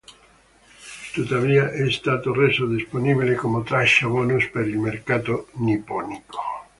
Tuttavia, è stato reso disponibile come traccia bonus per il mercato nipponico.